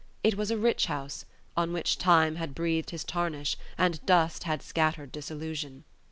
It was a rich house, on which Time had breathed his tarnish and dust had scattered disillusion.